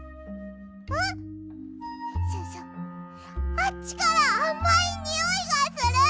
あっちからあまいにおいがする。